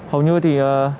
hầu như thì